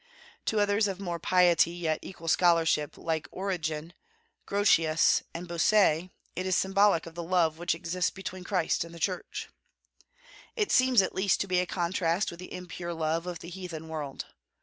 To others of more piety yet equal scholarship, like Origen, Grotius, and Bossuet, it is symbolic of the love which exists between Christ and the Church. It seems, at least, to be a contrast with the impure love of the heathen world.